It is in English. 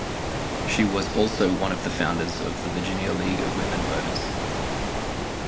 She was also one of the founders of the Virginia League of Women Voters.